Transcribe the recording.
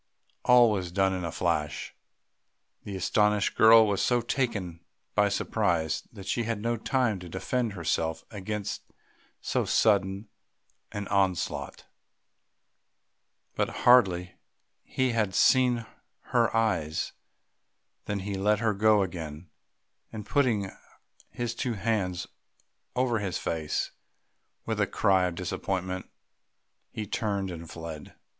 All was done in a flash; the astonished girl was so taken by surprise that she had no time to defend herself against so sudden an onslaught. But hardly had he seen her eyes than he let her go again, and putting his two hands over his face, with a cry of disappointment, he turned and fled.